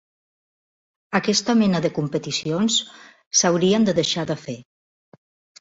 Aquesta mena de competicions s'haurien de deixar de fer.